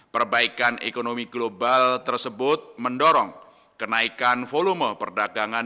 perbaikan ekonomi global tersebut mendorong kenaikan volume perdagangan